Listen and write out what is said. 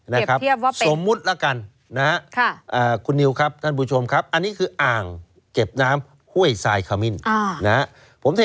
เทียบเทียบว่าเป็นสมมุติละกันคุณนิวครับท่านผู้ชมอันนี้คืออ่าง